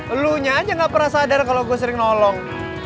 lunya aja gak pernah sadar kalau gue sering nolong